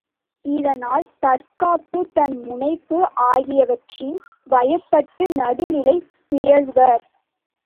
இதனால் தற்காப்பு, தன் முனைப்பு ஆகியனவற்றின் வயப்பட்டு நடுநிலை பிறழ்வர்.